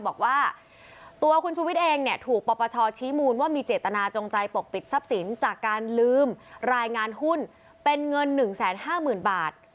บอกว่าตัวคุณชูวิทย์เองเนี่ยถูกปปชชี้มูลว่ามีเจตนาจงใจปกปิดทรัพย์สินจากการลืมรายงานหุ้นเป็นเงิน๑๕๐๐๐บาท